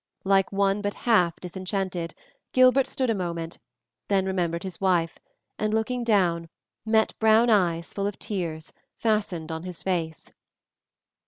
Like one but half disenchanted, Gilbert stood a moment, then remembered his wife, and looking down met brown eyes, full of tears, fastened on his face.